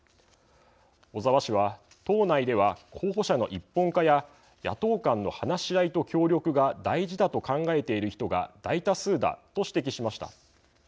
小沢氏は党内では候補者の一本化や野党間の話し合いと協力が大事だと考えている人が大多数だと指摘しました。